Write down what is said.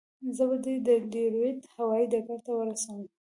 زه به دې د ډیترویت هوایي ډګر ته ورسوم.